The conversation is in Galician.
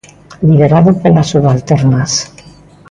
Liderado polas subalternas.